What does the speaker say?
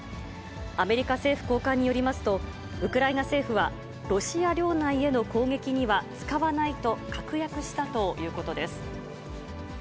アメリカ政府高官によりますと、ウクライナ政府は、ロシア領内への攻撃には使わないと確約したということです。